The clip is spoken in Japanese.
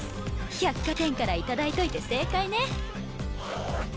百貨店から頂いといて正解ね。